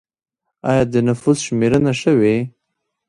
آیا د نفوس شمېرنه شوې؟